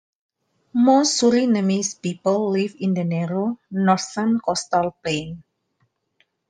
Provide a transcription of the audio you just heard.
Most Surinamese people live in the narrow, northern coastal plain.